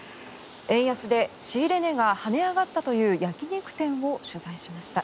円安で仕入れ値が跳ね上がったという焼き肉店を取材しました。